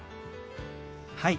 はい！